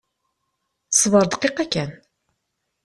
Ṣbeṛ dqiqa kan.